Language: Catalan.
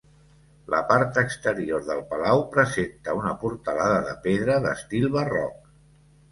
La part exterior del palau presenta una portalada de pedra d'estil barroc.